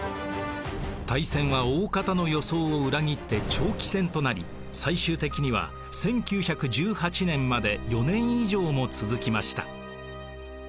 大戦は大方の予想を裏切って長期戦となり最終的には１９１８年まで４年以上も続きました。